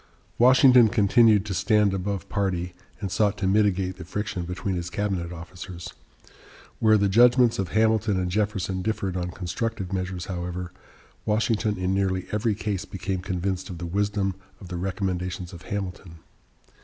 Washington continued to stand above party, and sought to mitigate the friction between his cabinet officers. Where the judgments of Hamilton and Jefferson differed on constructive measures, however, Washington in nearly every case became convinced of the wisdom of the recommendations of Hamilton.